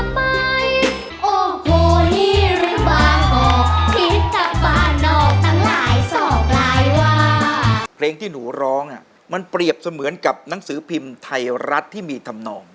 เพลงที่หนูร้องมันเปรียบเสมือนกับหนังสือพิมพ์ไทยรัฐที่มีธรรมนอง